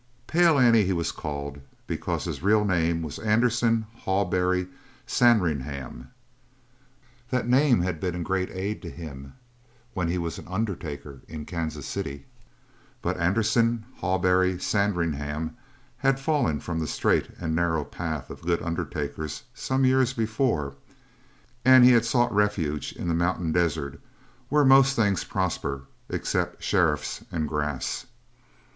"Pale Annie" he was called because his real name was Anderson Hawberry Sandringham. That name had been a great aid to him when he was an undertaker in Kansas City; but Anderson Hawberry Sandringham had fallen from the straight and narrow path of good undertakers some years before and he had sought refuge in the mountain desert, where most things prosper except sheriffs and grass.